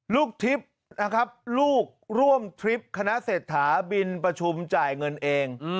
ทริปนะครับลูกร่วมทริปคณะเศรษฐาบินประชุมจ่ายเงินเอง